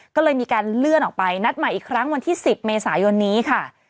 ก็เลยมีการเลื่อนออกไปนัดใหม่อีกครั้งวันที่๑๐เมษายนนี้ค่ะ